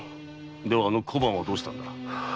ではあの小判はどうしたんだ？